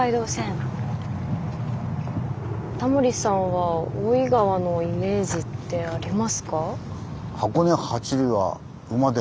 タモリさんは大井川のイメージってありますか？